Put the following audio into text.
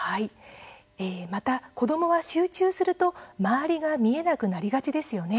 また子どもは集中すると周りが見えなくなりがちですよね。